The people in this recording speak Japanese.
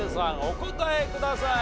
お答えください。